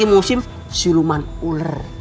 ini musim siluman ular